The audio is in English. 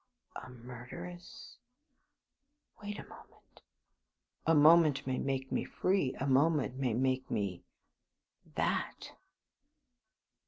A murderess? Wait a moment. A moment may make me free; a moment may make me that!